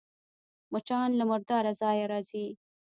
مچان له مرداره ځایه راځي